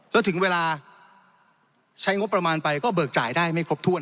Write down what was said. แล้วถึงเวลาใช้งบประมาณไปก็เบิกจ่ายได้ไม่ครบถ้วน